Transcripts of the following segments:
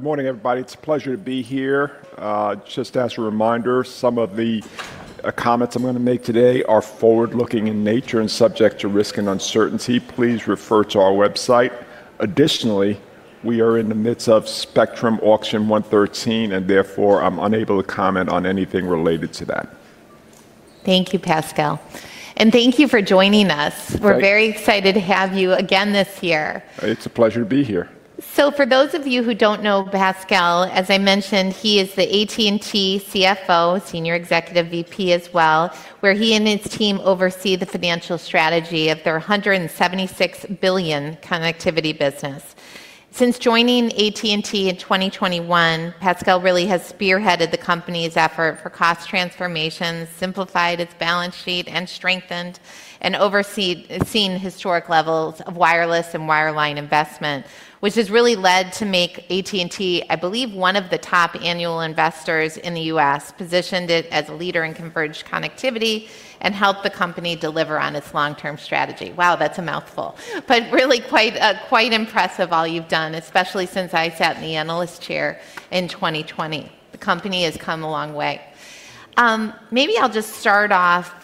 Good morning, everybody. It's a pleasure to be here. Just as a reminder, some of the comments I'm going to make today are forward-looking in nature and subject to risk and uncertainty. Please refer to our website. Additionally, we are in the midst of Spectrum Auction 113, therefore, I'm unable to comment on anything related to that. Thank you, Pascal. Thank you for joining us. My pleasure. We're very excited to have you again this year. It's a pleasure to be here. For those of you who don't know Pascal, as I mentioned, he is the AT&T CFO, Senior Executive VP as well, where he and his team oversee the financial strategy of their $176 billion connectivity business. Since joining AT&T in 2021, Pascal really has spearheaded the company's effort for cost transformations, simplified its balance sheet, and strengthened and overseen historic levels of wireless and wireline investment, which has really led to make AT&T, I believe, one of the top annual investors in the U.S., positioned it as a leader in converged connectivity, and helped the company deliver on its long-term strategy. Wow, that's a mouthful. Really quite impressive, all you've done, especially since I sat in the analyst chair in 2020. The company has come a long way. Maybe I'll just start off.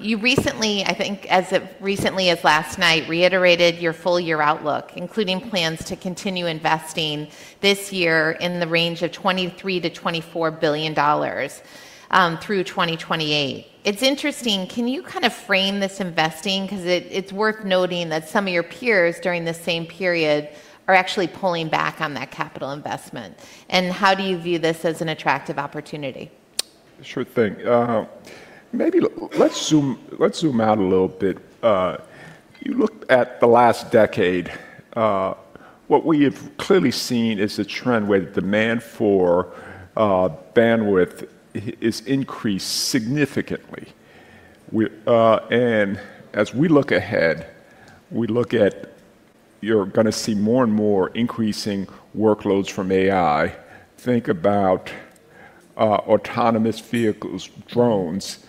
You recently, I think as recently as last night, reiterated your full-year outlook, including plans to continue investing this year in the range of $23 billion-$24 billion through 2028. It's interesting, can you frame this investing? Because it's worth noting that some of your peers during the same period are actually pulling back on that capital investment. How do you view this as an attractive opportunity? Sure thing. Maybe let's zoom out a little bit. If you look at the last decade, what we have clearly seen is a trend where the demand for bandwidth is increased significantly. As we look ahead, you're going to see more and more increasing workloads from AI. Think about autonomous vehicles, drones,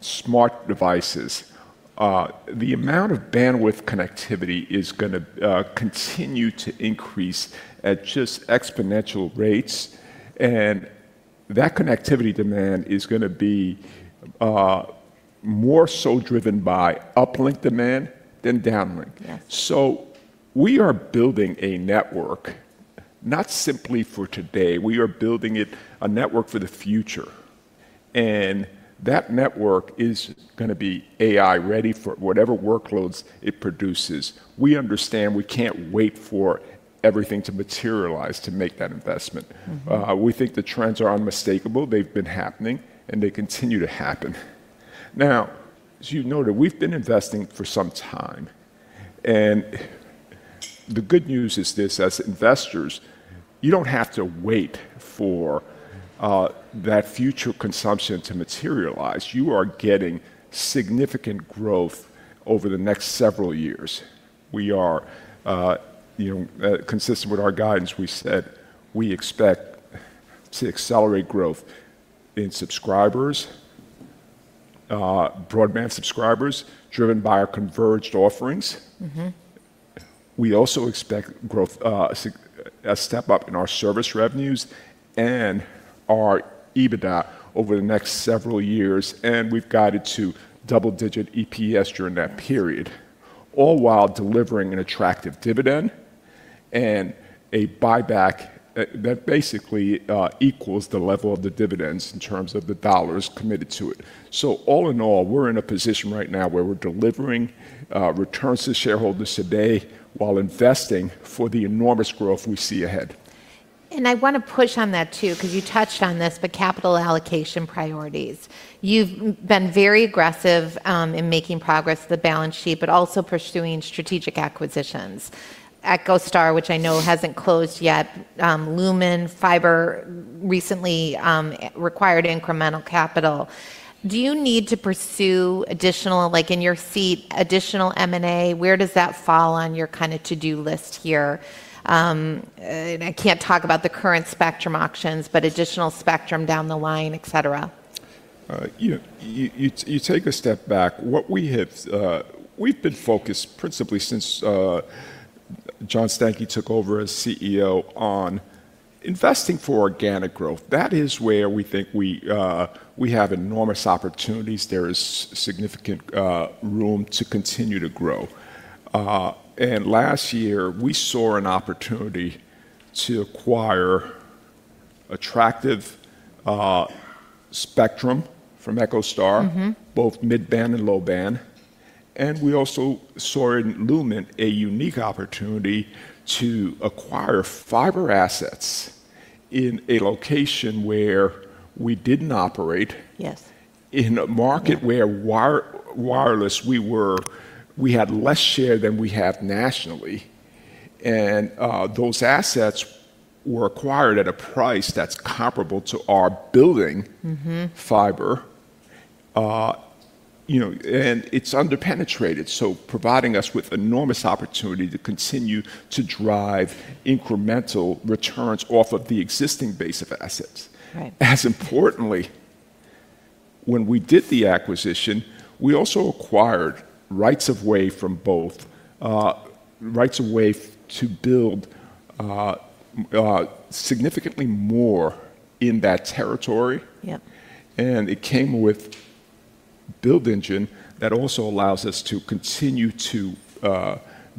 smart devices. The amount of bandwidth connectivity is going to continue to increase at just exponential rates, and that connectivity demand is going to be more so driven by uplink demand than downlink. Yes. We are building a network, not simply for today. We are building a network for the future, and that network is going to be AI-ready for whatever workloads it produces. We understand we can't wait for everything to materialize to make that investment. We think the trends are unmistakable. They've been happening, and they continue to happen. As you noted, we've been investing for some time, and the good news is this: as investors, you don't have to wait for that future consumption to materialize. You are getting significant growth over the next several years. Consistent with our guidance, we said we expect to accelerate growth in subscribers, broadband subscribers, driven by our converged offerings. We also expect a step up in our service revenues and our EBITDA over the next several years, and we've guided to double-digit EPS during that period. All while delivering an attractive dividend and a buyback that basically equals the level of the dividends in terms of the dollars committed to it. All in all, we're in a position right now where we're delivering returns to shareholders today while investing for the enormous growth we see ahead. I want to push on that too, because you touched on this, but capital allocation priorities. You've been very aggressive in making progress with the balance sheet, but also pursuing strategic acquisitions. EchoStar, which I know hasn't closed yet, Lumen, Fiber recently required incremental capital. Do you need to pursue, in your seat, additional M&A? Where does that fall on your to-do list here? I can't talk about the current spectrum auctions, but additional spectrum down the line, et cetera. You take a step back. We've been focused principally since John Stankey took over as CEO on investing for organic growth. That is where we think we have enormous opportunities. There is significant room to continue to grow. Last year, we saw an opportunity to acquire attractive spectrum from EchoStar both mid-band and low band. We also saw in Lumen a unique opportunity to acquire fiber assets in a location where we didn't operate. Yes. In a market where wireless, we had less share than we have nationally, those assets were acquired at a price that's comparable to our building fiber. It's under-penetrated, providing us with enormous opportunity to continue to drive incremental returns off of the existing base of assets. Right. When we did the acquisition, we also acquired rights of way from both, rights of way to build significantly more in that territory. Yep. It came with build engine that also allows us to continue to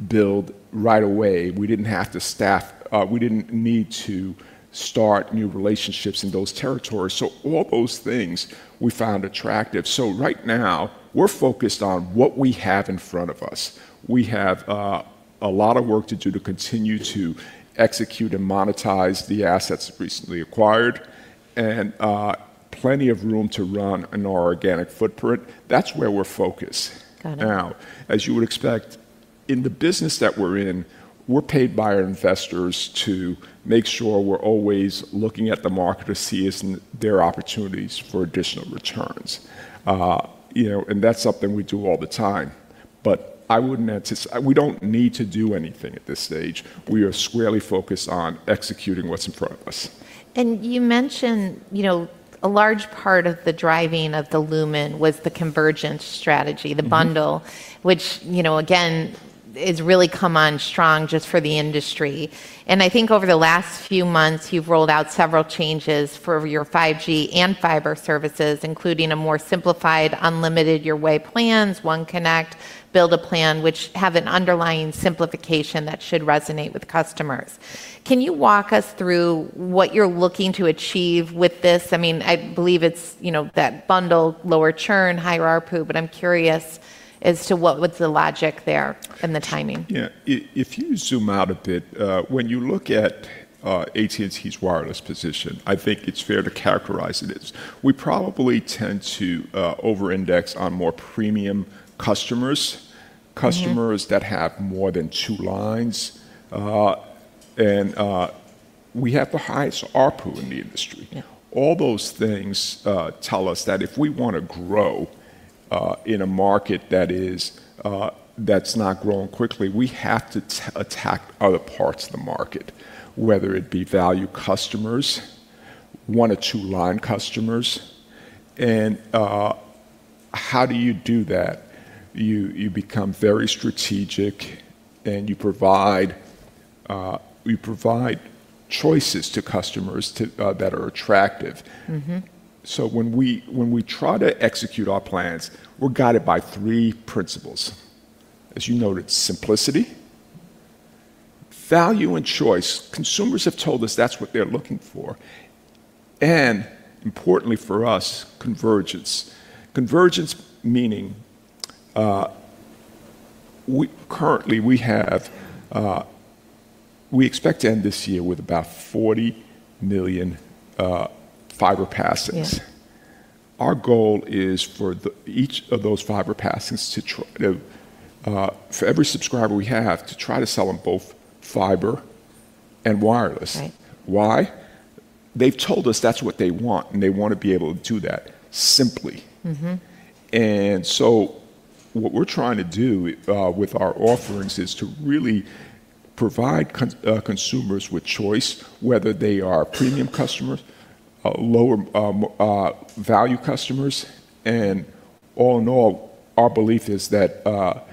build right of way. We didn't need to start new relationships in those territories. All those things we found attractive. Right now, we're focused on what we have in front of us. We have a lot of work to do to continue to execute and monetize the assets recently acquired, and plenty of room to run in our organic footprint. That's where we're focused now. Got it. As you would expect, in the business that we're in, we're paid by our investors to make sure we're always looking at the market to see if there are opportunities for additional returns. That's something we do all the time. We don't need to do anything at this stage. We are squarely focused on executing what's in front of us. You mentioned, a large part of the driving of the Lumen was the convergence strategy the bundle, which, again, has really come on strong just for the industry. I think over the last few months, you've rolled out several changes for your 5G and fiber services, including a more simplified Unlimited Your Way plans, OneConnect, Build-A-Plan which have an underlying simplification that should resonate with customers. Can you walk us through what you're looking to achieve with this? I believe it's that bundle, lower churn, higher ARPU, but I'm curious as to what's the logic there and the timing. Yeah. If you zoom out a bit, when you look at AT&T's wireless position, I think it's fair to characterize it as we probably tend to over-index on more premium customers. Customers that have more than two lines, we have the highest ARPU in the industry. Yeah. All those things tell us that if we want to grow in a market that's not growing quickly, we have to attack other parts of the market, whether it be value customers, one or two line customers. How do you do that? You become very strategic and you provide choices to customers that are attractive. When we try to execute our plans, we're guided by three principles. As you noted, simplicity, value and choice, consumers have told us that's what they're looking for, and importantly for us, convergence. Convergence meaning, currently we expect to end this year with about 40 million fiber passes. Yeah. Our goal is for every subscriber we have to try to sell them both fiber and wireless. Right. Why? They've told us that's what they want, and they want to be able to do that simply. What we're trying to do with our offerings is to really provide consumers with choice, whether they are premium customers, lower value customers. All in all, our belief is that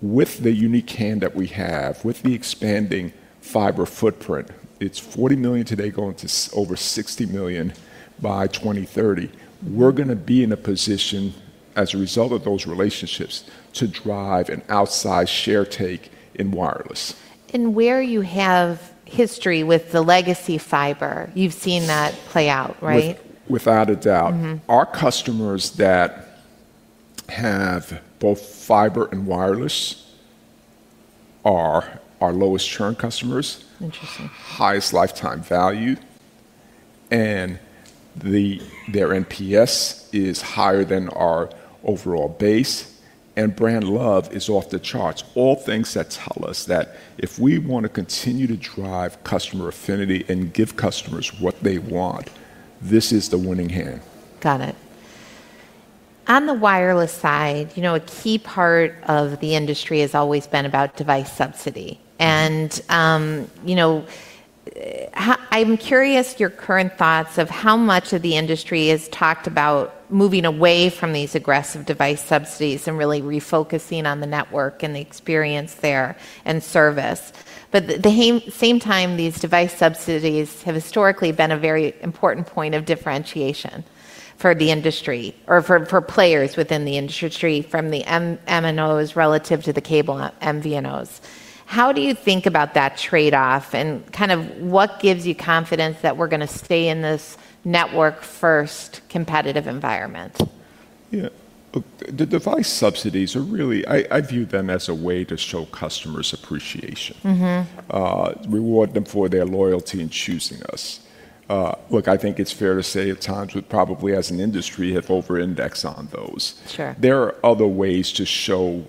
with the unique hand that we have, with the expanding fiber footprint, it's $40 million today, going to over $60 million by 2030. We're going to be in a position as a result of those relationships to drive an outsized share take in wireless. Where you have history with the legacy fiber, you've seen that play out, right? Without a doubt. Our customers that have both fiber and wireless are our lowest churn customers. Interesting Highest lifetime value. Their NPS is higher than our overall base, and brand love is off the charts. All things that tell us that if we want to continue to drive customer affinity and give customers what they want, this is the winning hand. Got it. On the wireless side, a key part of the industry has always been about device subsidy. I'm curious your current thoughts of how much of the industry has talked about moving away from these aggressive device subsidies and really refocusing on the network and the experience there and service. At the same time, these device subsidies have historically been a very important point of differentiation for the industry or for players within the industry, from the MNOs relative to the cable MVNOs. How do you think about that trade-off and what gives you confidence that we're going to stay in this network first competitive environment? Yeah. The device subsidies, I view them as a way to show customers appreciation. Reward them for their loyalty in choosing us. Look, I think it's fair to say at times we probably as an industry have over-indexed on those. Sure. There are other ways to show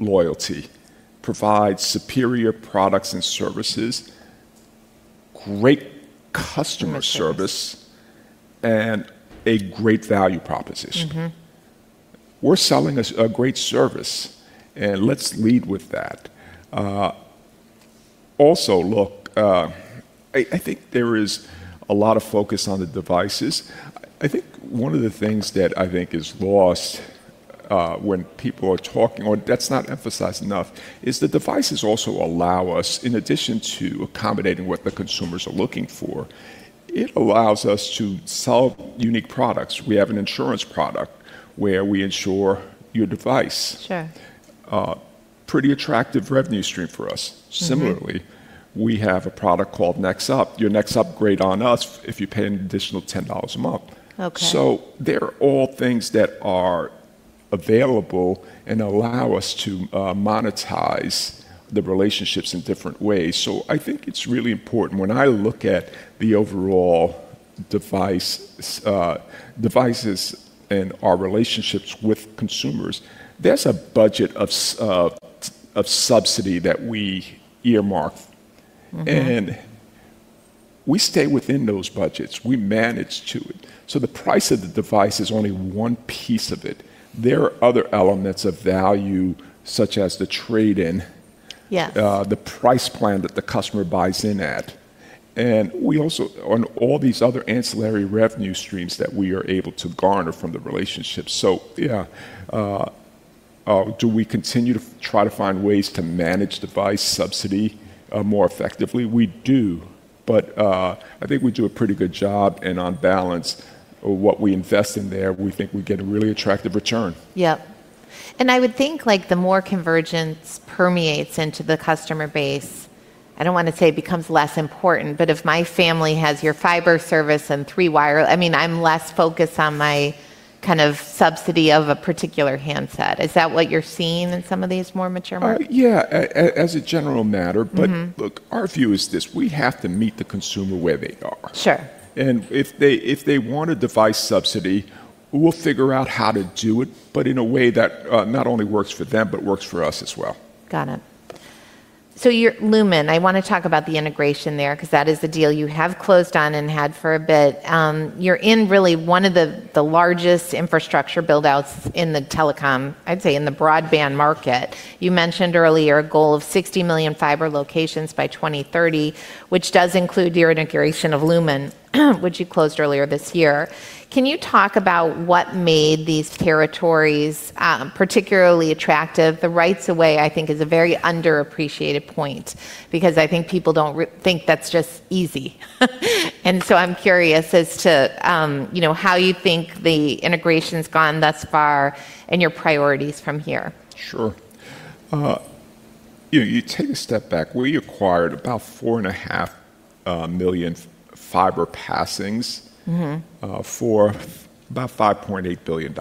loyalty, provide superior products and services, great customer service. Excellent A great value proposition. We're selling a great service. Let's lead with that. Also, look, I think there is a lot of focus on the devices. I think one of the things that I think is lost when people are talking, or that's not emphasized enough, is that devices also allow us, in addition to accommodating what the consumers are looking for, it allows us to sell unique products. We have an insurance product where we insure your device. Sure. Pretty attractive revenue stream for us. Similarly, we have a product called Next Up, your next upgrade on us if you pay an additional $10 a month. Okay. They're all things that are available and allow us to monetize the relationships in different ways. I think it's really important. When I look at the overall devices and our relationships with consumers, there's a budget of subsidy that we earmark. We stay within those budgets. We manage to it. The price of the device is only one piece of it. There are other elements of value, such as the trade-in. Yes The price plan that the customer buys in at. We also own all these other ancillary revenue streams that we are able to garner from the relationship. Yeah, do we continue to try to find ways to manage device subsidy more effectively? We do. I think we do a pretty good job, and on balance of what we invest in there, we think we get a really attractive return. Yep. I would think the more convergence permeates into the customer base, I don't want to say it becomes less important, but if my family has your fiber service and three wire I'm less focused on my kind of subsidy of a particular handset. Is that what you're seeing in some of these more mature markets? Yeah. As a general matter. Look, our view is this: We have to meet the consumer where they are. Sure. If they want a device subsidy, we'll figure out how to do it, but in a way that not only works for them, but works for us as well. Got it. Lumen, I want to talk about the integration there because that is the deal you have closed on and had for a bit. You're in really one of the largest infrastructure build-outs in the telecom, I'd say in the broadband market. You mentioned earlier a goal of 60 million fiber locations by 2030, which does include your integration of Lumen which you closed earlier this year. Can you talk about what made these territories particularly attractive? The rights of way, I think, is a very underappreciated point because I think people don't think that's just easy. I'm curious as to how you think the integration's gone thus far and your priorities from here. Sure. You take a step back. We acquired about 4.5 million fiber passings for about $5.8 billion.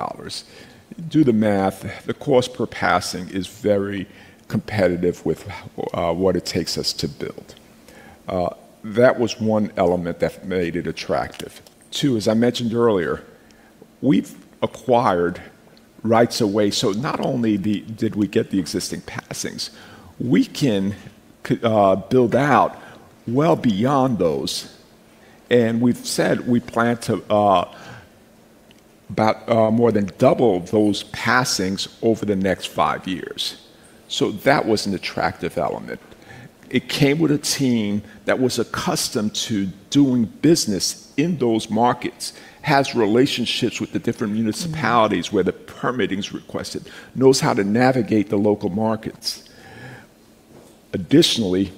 Do the math. The cost per passing is very competitive with what it takes us to build. That was one element that made it attractive. Two, as I mentioned earlier, we've acquired rights of way, so not only did we get the existing passings, we can build out well beyond those. We've said we plan to about more than double those passings over the next five years. That was an attractive element. It came with a team that was accustomed to doing business in those markets, has relationships with the different municipalities where the permitting's requested, knows how to navigate the local markets. Additionally,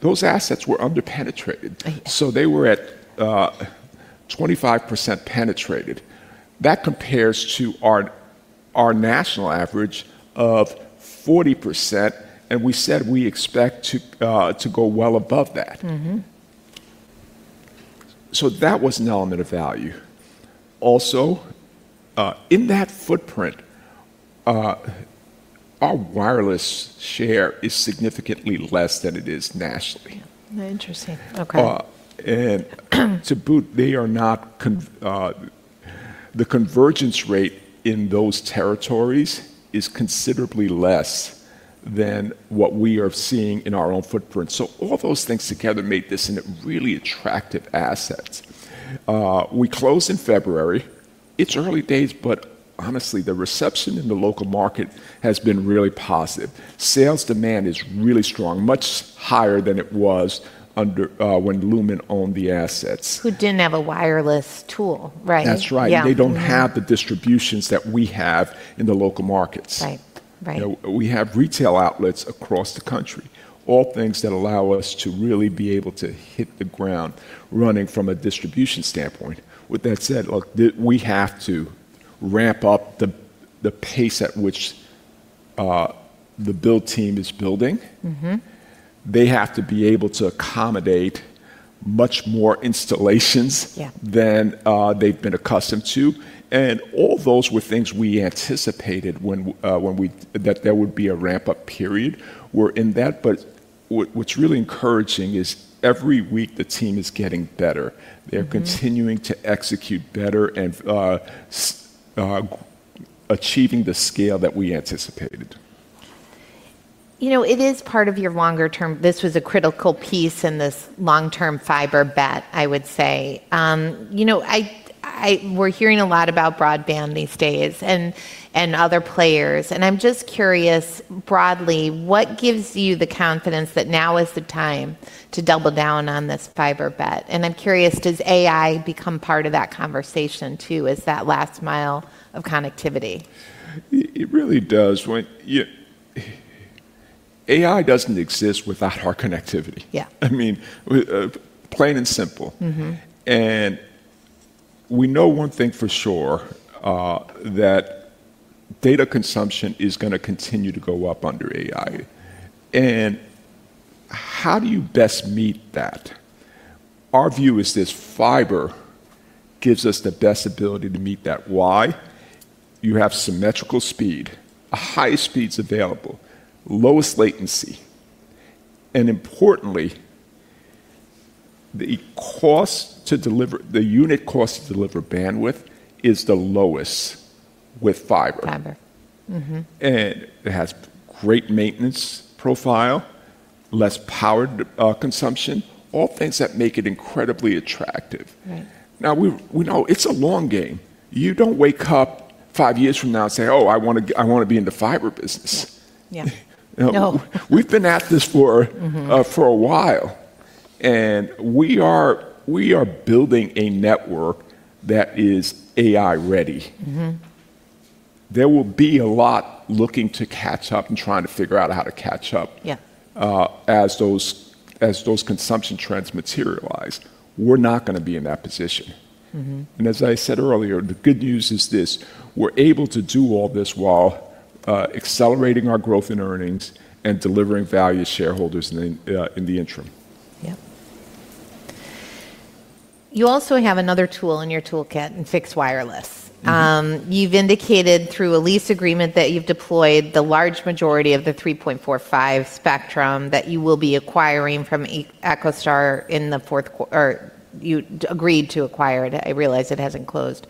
those assets were under-penetrated. Right. They were at 25% penetrated. That compares to our national average of 40%, and we said we expect to go well above that. That was an element of value. Also, in that footprint, our wireless share is significantly less than it is nationally. Yeah. Interesting. Okay. To boot, the convergence rate in those territories is considerably less than what we are seeing in our own footprint. All those things together make this a really attractive asset. We closed in February. It's early days, but honestly, the reception in the local market has been really positive. Sales demand is really strong, much higher than it was when Lumen owned the assets. Who didn't have a wireless tool, right? That's right. Yeah. Mm-hmm. They don't have the distributions that we have in the local markets. Right. We have retail outlets across the country. All things that allow us to really be able to hit the ground running from a distribution standpoint. With that said, look, we have to ramp up the pace at which the build team is building. They have to be able to accommodate much more installations. Yeah Than they've been accustomed to. All those were things we anticipated, that there would be a ramp-up period. We're in that, but what's really encouraging is every week the team is getting better. They're continuing to execute better and are achieving the scale that we anticipated. It is part of your longer term. This was a critical piece in this long-term fiber bet, I would say. We're hearing a lot about broadband these days and other players. I'm just curious, broadly, what gives you the confidence that now is the time to double down on this fiber bet? I'm curious, does AI become part of that conversation too, as that last mile of connectivity? It really does. AI doesn't exist without our connectivity. Yeah. Plain and simple. We know one thing for sure, that data consumption is going to continue to go up under AI. How do you best meet that? Our view is this fiber gives us the best ability to meet that. Why? You have symmetrical speed, highest speeds available, lowest latency, and importantly, the unit cost to deliver bandwidth is the lowest with fiber. Fiber. Mm-hmm. It has great maintenance profile, less power consumption, all things that make it incredibly attractive. Right. We know it's a long game. You don't wake up five years from now and say, "Oh, I want to be in the fiber business. Yeah. No. We've been at this for- for a while, we are building a network that is AI ready. There will be a lot looking to catch up and trying to figure out how to catch up. Yeah As those consumption trends materialize, we're not going to be in that position. As I said earlier, the good news is this, we're able to do all this while accelerating our growth in earnings and delivering value to shareholders in the interim. You also have another tool in your toolkit in fixed wireless. You've indicated through a lease agreement that you've deployed the large majority of the 3.45 spectrum that you agreed to acquire. I realize it hasn't closed.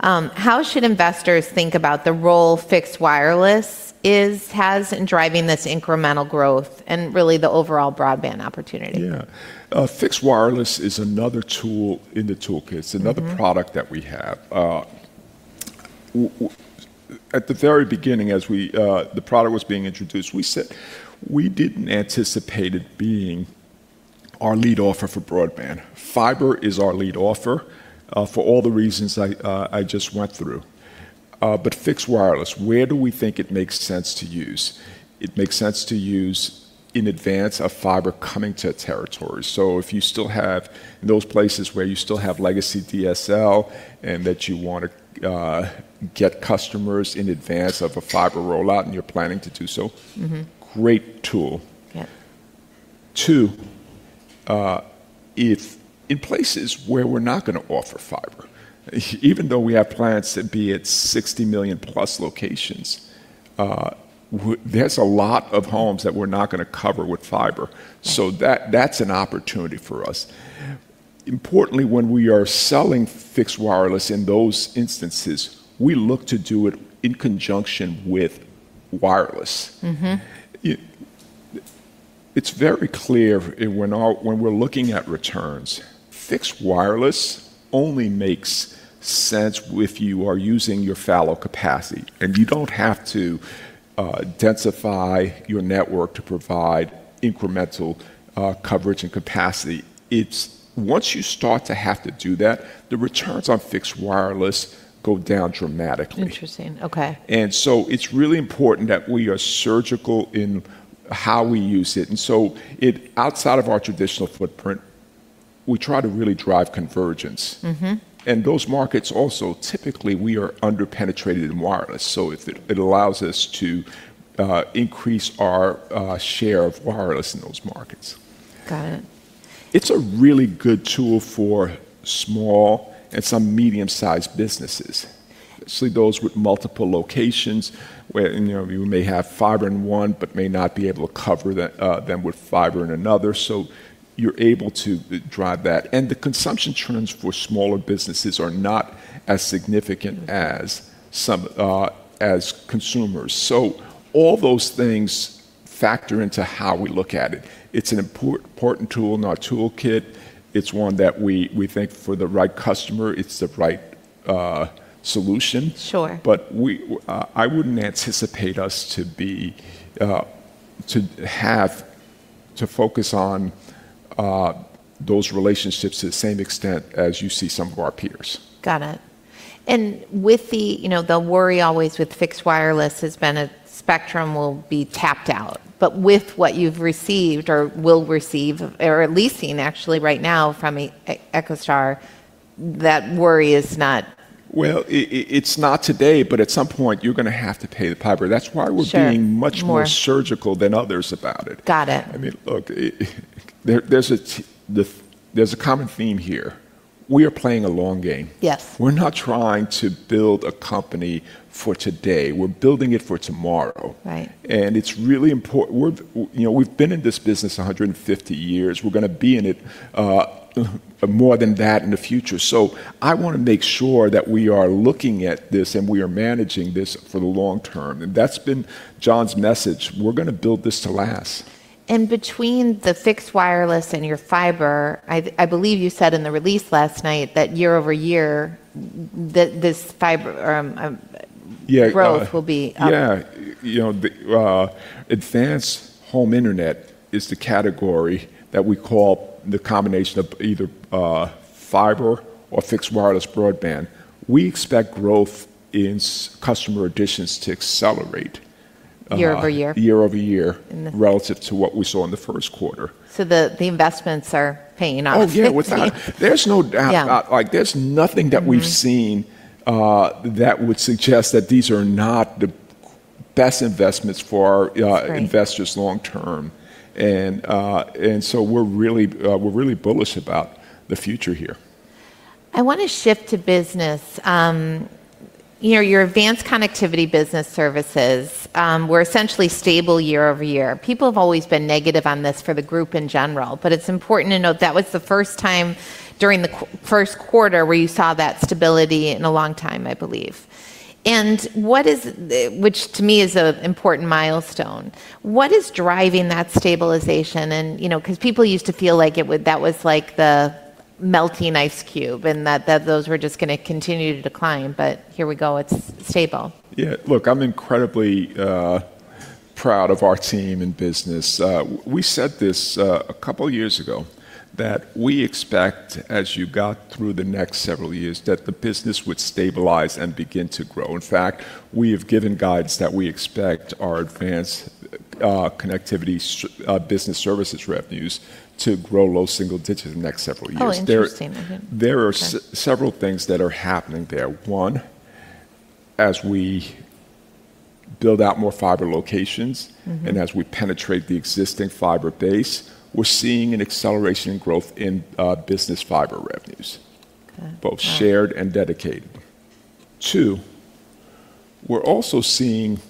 How should investors think about the role fixed wireless has in driving this incremental growth and really the overall broadband opportunity? Fixed wireless is another tool in the toolkit. It's another product that we have. At the very beginning, as the product was being introduced, we didn't anticipate it being our lead offer for broadband. Fiber is our lead offer for all the reasons I just went through. Fixed wireless, where do we think it makes sense to use? It makes sense to use in advance of fiber coming to territories. If you still have those places where you still have legacy DSL, and that you want to get customers in advance of a fiber rollout, and you're planning to do so. Great tool. Yeah. Two, if in places where we're not going to offer fiber, even though we have plans to be at 60 million plus locations, there's a lot of homes that we're not going to cover with fiber. That's an opportunity for us. Importantly, when we are selling fixed wireless in those instances, we look to do it in conjunction with wireless. It's very clear when we're looking at returns, fixed wireless only makes sense if you are using your fallow capacity, and you don't have to densify your network to provide incremental coverage and capacity. Once you start to have to do that, the returns on fixed wireless go down dramatically. Interesting. Okay. It's really important that we are surgical in how we use it. Outside of our traditional footprint, we try to really drive convergence. Those markets also, typically, we are under-penetrated in wireless, so it allows us to increase our share of wireless in those markets. Got it. It's a really good tool for small and some medium-sized businesses. Especially those with multiple locations, where you may have fiber in one but may not be able to cover them with fiber in another, so you're able to drive that. The consumption trends for smaller businesses are not as significant as consumers. All those things factor into how we look at it. It's an important tool in our toolkit. It's one that we think for the right customer, it's the right solution. Sure. I wouldn't anticipate us to focus on those relationships to the same extent as you see some of our peers. Got it. The worry always with fixed wireless has been a spectrum will be tapped out. With what you've received or will receive, or are leasing actually right now from EchoStar, that worry is not Well, it's not today, but at some point, you're going to have to pay the piper. That's why we're Sure. More much more surgical than others about it. Got it. Look, there's a common theme here. We are playing a long game. Yes. We're not trying to build a company for today. We're building it for tomorrow. Right. It's really important. We've been in this business 150 years. We're going to be in it more than that in the future. I want to make sure that we are looking at this and we are managing this for the long-term. That's been John's message. We're going to build this to last. Between the fixed wireless and your fiber, I believe you said in the release last night that year-over-year, this fiber- Yeah growth will be up. Yeah. Advanced home internet is the category that we call the combination of either fiber or fixed wireless broadband. We expect growth in customer additions to accelerate- Year over year? Year over year. Relative to what we saw in the first quarter. The investments are paying off. Oh, yeah. There's no doubt. Yeah about, there's nothing that we've. seen that would suggest that these are not the best investments for our... Right -investors long-term. We're really bullish about the future here. I want to shift to business. Your Advanced Connectivity business services were essentially stable year-over-year. People have always been negative on this for the group in general, but it's important to note that was the first time during the first quarter where you saw that stability in a long time, I believe. Which to me is an important milestone. What is driving that stabilization? Because people used to feel like that was the melting ice cube and that those were just going to continue to decline, but here we go. It's stable. Yeah, look, I'm incredibly proud of our team and business. We said this a couple of years ago, that we expect, as you got through the next several years, that the business would stabilize and begin to grow. In fact, we have given guides that we expect our Advanced Connectivity business services revenues to grow low single digits in the next several years. Oh, interesting. Mm-hmm. Okay. There are several things that are happening there. One, as we build out more fiber locations. As we penetrate the existing fiber base, we're seeing an acceleration in growth in business fiber revenues. Okay. Wow. Both shared and dedicated. Two, we're also seeing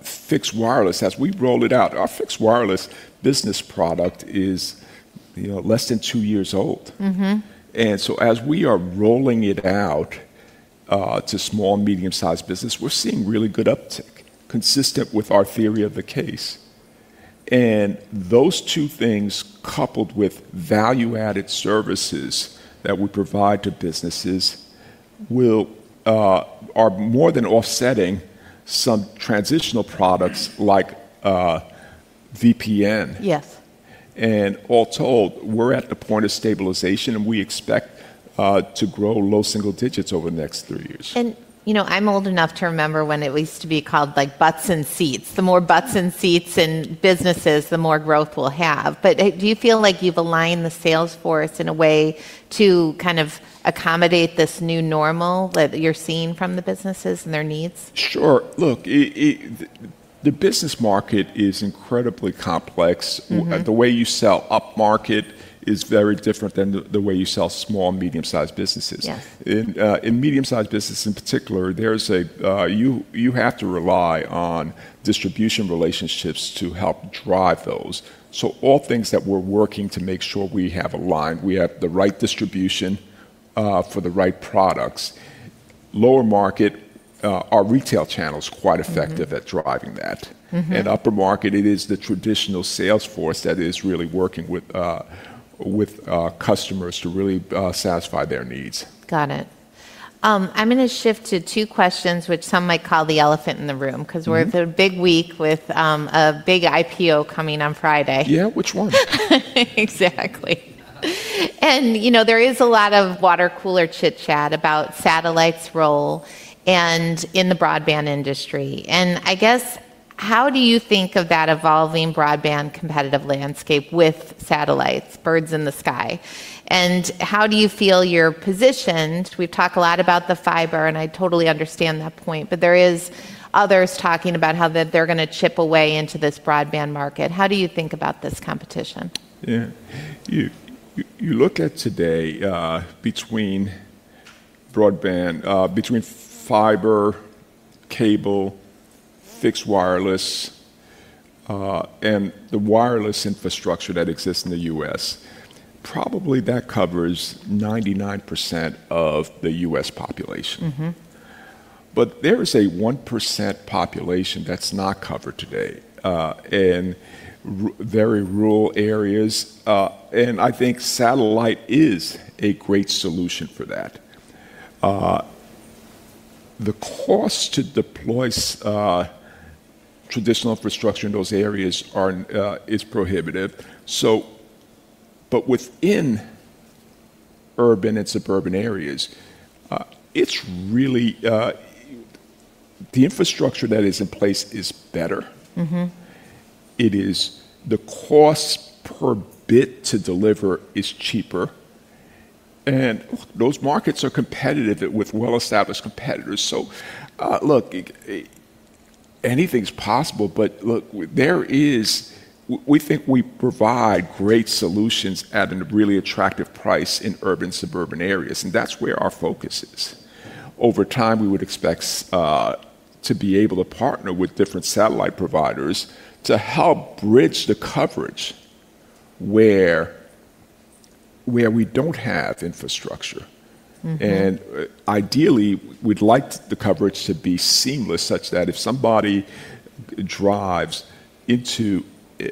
fixed wireless. As we've rolled it out, our fixed wireless business product is less than two years old. As we are rolling it out to small and medium sized business, we're seeing really good uptick, consistent with our theory of the case. Those two things, coupled with value added services that we provide to businesses, are more than offsetting some transitional products like VPN. Yes. All told, we're at the point of stabilization, and we expect to grow low single digits over the next three years. I'm old enough to remember when it used to be called butts in seats. The more butts in seats in businesses, the more growth we'll have. Do you feel like you've aligned the sales force in a way to kind of accommodate this new normal that you're seeing from the businesses and their needs? Sure. Look, the business market is incredibly complex. The way you sell up-market is very different than the way you sell small and medium-sized businesses. Yeah. In medium-sized business in particular, you have to rely on distribution relationships to help drive those. All things that we're working to make sure we have aligned, we have the right distribution for the right products. Lower market, our retail channel's quite effective at driving that. The upper-market, it is the traditional sales force that is really working with customers to really satisfy their needs. Got it. I'm going to shift to two questions which some might call the elephant in the room. We're at the big week with a big IPO coming on Friday. Yeah, which one? Exactly. There is a lot of water cooler chit-chat about satellite's role in the broadband industry. I guess, how do you think of that evolving broadband competitive landscape with satellites, birds in the sky? How do you feel you're positioned? We've talked a lot about the fiber, I totally understand that point, but there is others talking about how they're going to chip away into this broadband market. How do you think about this competition? Yeah. You look at today between broadband, between fiber, cable, fixed wireless, and the wireless infrastructure that exists in the U.S., probably that covers 99% of the U.S. population. There is a 1% population that's not covered today in very rural areas, and I think satellite is a great solution for that. The cost to deploy traditional infrastructure in those areas is prohibitive. Within urban and suburban areas, the infrastructure that is in place is better. The cost per bit to deliver is cheaper, and those markets are competitive with well-established competitors. Look, anything's possible, but look, we think we provide great solutions at a really attractive price in urban suburban areas, and that's where our focus is. Over time, we would expect to be able to partner with different satellite providers to help bridge the coverage where we don't have infrastructure. Ideally, we'd like the coverage to be seamless such that if somebody drives into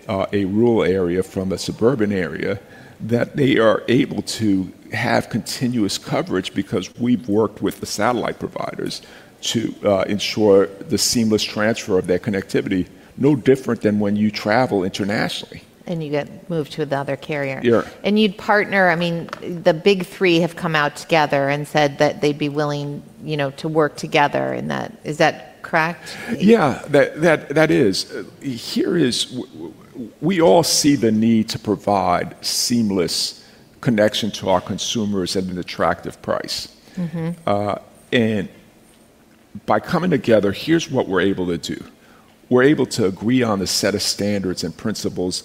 a rural area from a suburban area, that they are able to have continuous coverage because we've worked with the satellite providers to ensure the seamless transfer of their connectivity, no different than when you travel internationally. You get moved to another carrier. Yeah. You'd partner, the big three have come out together and said that they'd be willing to work together in that. Is that correct? Yeah. That is. We all see the need to provide seamless connection to our consumers at an attractive price. By coming together, here's what we're able to do. We're able to agree on a set of standards and principles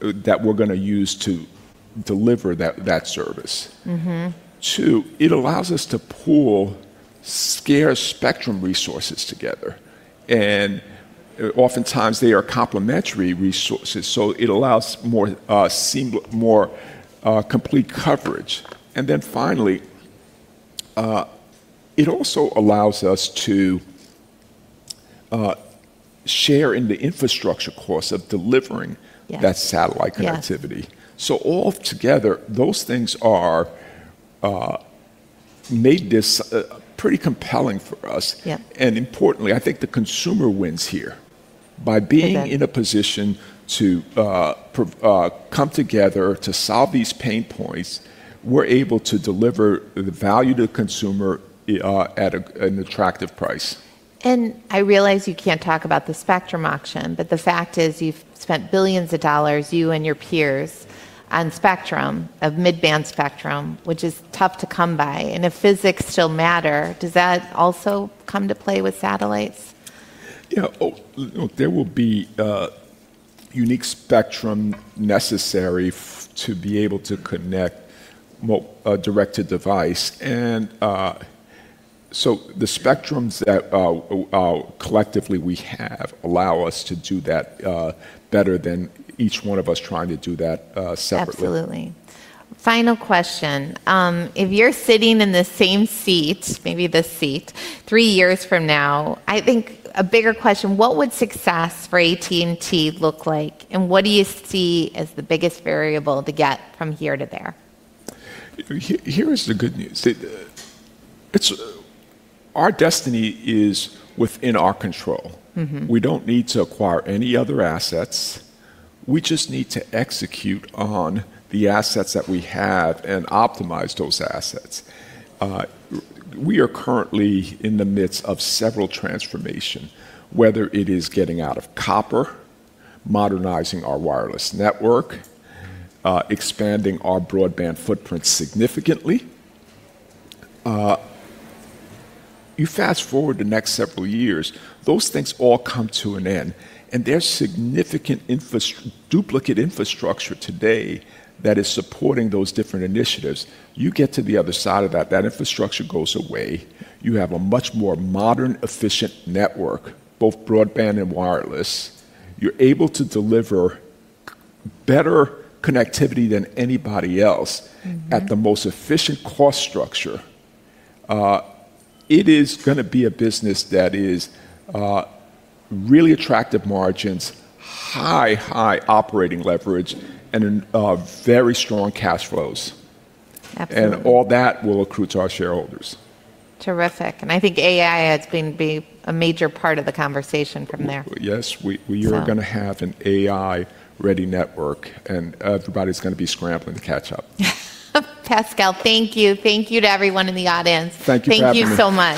that we're going to use to deliver that service. Two, it allows us to pool scarce spectrum resources together, and oftentimes they are complementary resources, so it allows more complete coverage. Finally, it also allows us to share in the infrastructure costs of delivering. Yes that satellite connectivity. Yeah. Altogether, those things made this pretty compelling for us. Yeah. Importantly, I think the consumer wins here. I bet. By being in a position to come together to solve these pain points, we're able to deliver the value to the consumer at an attractive price. I realize you can't talk about the spectrum auction, but the fact is you've spent billions of dollars, you and your peers, on spectrum, of mid-band spectrum, which is tough to come by. If physics still matter, does that also come to play with satellites? Yeah. There will be unique spectrum necessary to be able to connect a directed device. The spectrums that collectively we have allow us to do that better than each one of us trying to do that separately. Absolutely. Final question. If you're sitting in the same seat, maybe this seat, three years from now, I think a bigger question, what would success for AT&T look like? What do you see as the biggest variable to get from here to there? Here is the good news. Our destiny is within our control. We don't need to acquire any other assets. We just need to execute on the assets that we have and optimize those assets. We are currently in the midst of several transformation, whether it is getting out of copper, modernizing our wireless network, expanding our broadband footprint significantly. You fast-forward the next several years, those things all come to an end, and there is significant duplicate infrastructure today that is supporting those different initiatives. You get to the other side of that infrastructure goes away. You have a much more modern, efficient network, both broadband and wireless. You're able to deliver better connectivity than anybody else- at the most efficient cost structure. It is going to be a business that is really attractive margins, high operating leverage, and very strong cash flows. Absolutely. All that will accrue to our shareholders. Terrific. I think AI is going to be a major part of the conversation from there. Yes. So- We are going to have an AI-ready network, and everybody's going to be scrambling to catch up. Pascal, thank you. Thank you to everyone in the audience. Thank you for having me. Thank you so much.